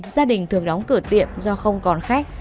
gia đình thường đóng cửa tiệm do không còn khách